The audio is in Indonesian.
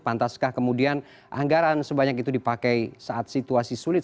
pantaskah kemudian anggaran sebanyak itu dipakai saat situasi sulit